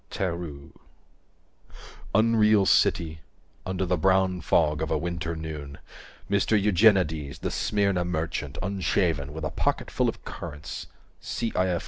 205 Tereu Unreal City Under the brown fog of a winter noon Mr Eugenides, the Smyrna merchant Unshaven, with a pocket full of currants 210 C. i. f.